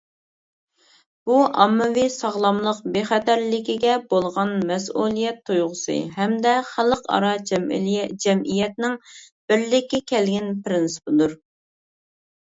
بۇ ئاممىۋى ساغلاملىق بىخەتەرلىكىگە بولغان مەسئۇلىيەت تۇيغۇسى، ھەمدە خەلقئارا جەمئىيەتنىڭ بىرلىككە كەلگەن پىرىنسىپىدۇر.